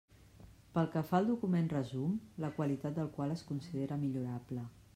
Pel que fa al document resum, la qualitat del qual es considera millorable.